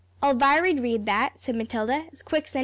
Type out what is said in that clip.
"Elviry'd read that," said Matilda, "as quick's anythin'."